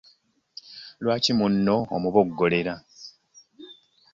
Lwaki munno omuboggolera?